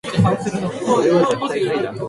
ご不明な点がございましたらお知らせください。